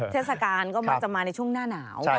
เทศกาลก็มักจะมาในช่วงหน้าหนาว